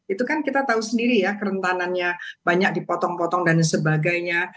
itu kan kita tahu sendiri ya kerentanannya banyak dipotong potong dan sebagainya